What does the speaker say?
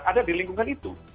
ada di lingkungan itu